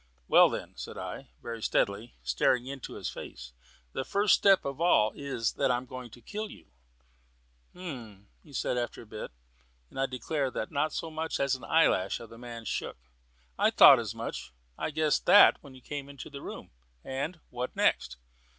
"Well then," said I, very steadily, and staring into his face, "the first step of all is that I am going to kill you." "H'm," said he after a bit, and I declare that not so much as an eyelash of the man shook, "I thought as much. I guessed that when you came into the room. And what next?"